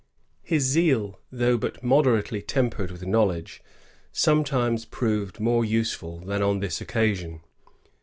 "^ His zeal, though but moderately tempered with knowledge, sometimes proved more useful than on this occasion.